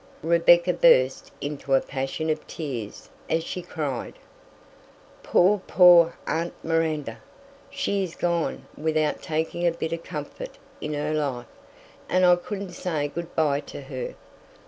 Rebecca burst into a passion of tears as she cried, "Poor, poor aunt Miranda! She is gone without taking a bit of comfort in life, and I couldn't say good by to her!